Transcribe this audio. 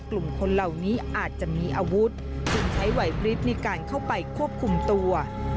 กลุ่มคนเหล่านี้อาจจะมีอาวุธจึงใช้ไหวพลิบในการเข้าไปควบคุมตัว